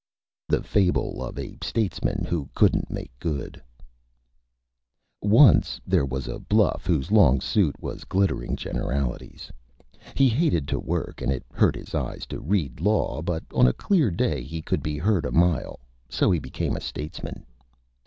_ THE FABLE OF A STATESMAN WHO COULDN'T MAKE GOOD Once there was a Bluff whose Long Suit was Glittering Generalities. He hated to Work and it hurt his Eyes to read Law, but on a Clear Day he could be heard a Mile, so he became a Statesman.